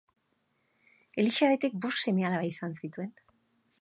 Elisabetek bost seme-alaba izan zituen.